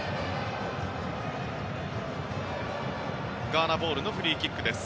ガーナボールのフリーキックです。